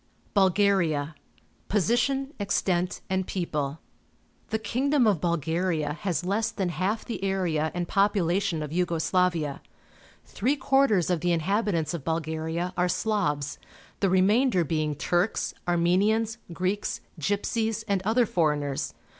BULGARIA >' Position, Extent, and People. — The king dom of Bulgaria has less than half the area and population of Yugo Slavia. Three quarters of the inhabitants of Bulgaria are Slavs, the remainder being Turks, Armenians, Greeks, Gypsies, and other foreigners.